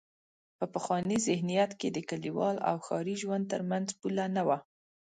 په پخواني ذهنیت کې د کلیوال او ښاري ژوند تر منځ پوله نه وه.